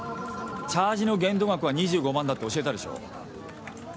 チャージの限度額は２５万だって教えたでしょ？